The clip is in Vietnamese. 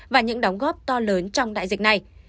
và những đóng góp to lớn trong đại dịch này